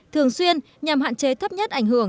thường xuyên nhằm hạn chế thấp nhất ảnh hưởng